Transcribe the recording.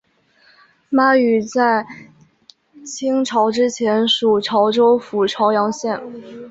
妈屿在清朝之前属潮州府潮阳县。